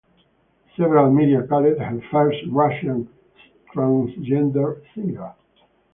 Several media called her first Russian transgender singer.